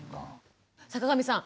坂上さん